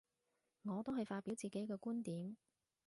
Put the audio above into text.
我都係發表自己嘅觀點